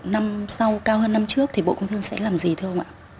năm sau cao hơn năm trước thì bộ công thương sẽ làm gì thưa ông ạ